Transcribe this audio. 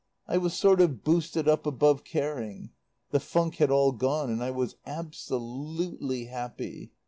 I was sort of boosted up above caring. The funk had all gone and I was absolutely happy.